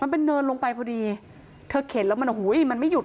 มันเป็นเนินลงไปพอดีเธอเข็นแล้วมันโอ้โหมันไม่หยุด